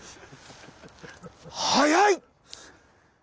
速い！